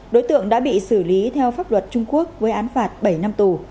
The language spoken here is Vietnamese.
đối tượng đã bị xử lý theo pháp luật trung quốc với án phạt bảy năm tù